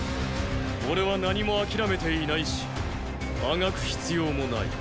俺は何もあきらめていないしあがく必要もない。